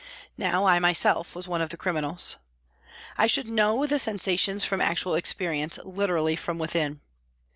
Now I myself was one of the criminals. I should know the sensations from actual experience, literally from within.